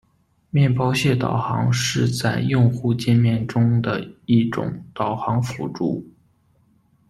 面包屑导航是在用户界面中的一种导航辅助。